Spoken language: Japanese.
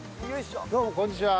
どうもこんにちは。